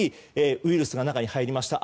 ウイルスが中に入りました。